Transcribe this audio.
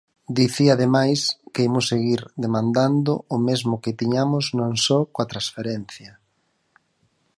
Dicía, ademais, que imos seguir demandando o mesmo que tiñamos non só coa transferencia.